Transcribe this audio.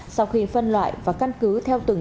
sau khi phân loại và căn cứ theo từng